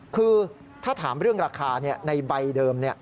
คือถ้าถามเรื่องราคาในใบเดิม